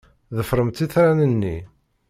Ḍefremt itran-nni.